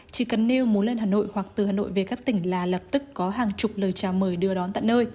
chỉ cần nêu muốn lên hà nội hoặc từ hà nội về các tỉnh là lập tức có hàng chục lời chào mời đưa đón tận nơi